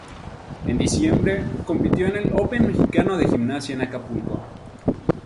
En diciembre compitió en el Open Mexicano de Gimnasia en Acapulco.